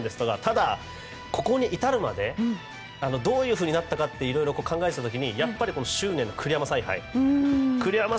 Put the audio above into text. ただ、ここに至るまでどういうふうになったかっていろいろ考えていた時にやっぱり執念の栗山采配。